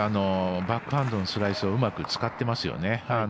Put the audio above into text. バックハンドのスライスをうまく使っていますよね。